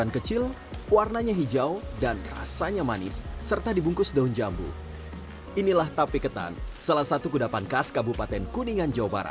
kiki aryadi mencoba membuat tape ketan dalam sebuah ember